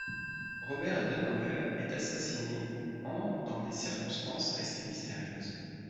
Robert Denoël est assassiné en dans des circonstances restées mystérieuses.